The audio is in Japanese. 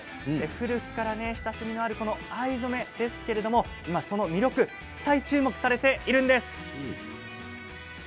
古くから親しみのあるこの藍染めですけれどその魅力再注目されているんです。